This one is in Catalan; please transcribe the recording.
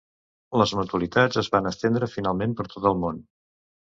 Les mutualitats es van estendre finalment per tot el món.